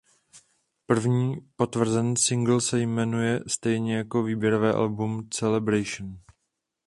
První potvrzený singl se jmenuje stejně jako výběrové album "Celebration".